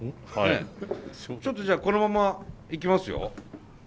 ちょっとじゃあこのままいきますよ。